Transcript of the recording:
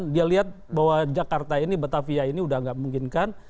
dia lihat bahwa jakarta ini batavia ini sudah tidak memungkinkan